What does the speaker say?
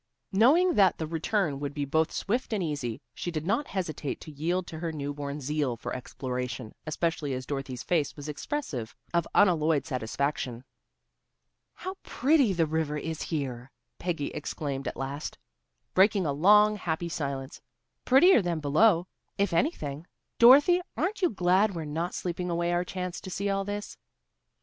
Knowing that the return would be both swift and easy, she did not hesitate to yield to her new born zeal for exploration, especially as Dorothy's face was expressive of unalloyed satisfaction. "How pretty the river is here," Peggy exclaimed at last, breaking a long, happy silence. "Prettier than below, if anything. Dorothy, aren't you glad we're not sleeping away our chance to see all this?"